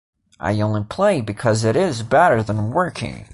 I only play because it is better than working.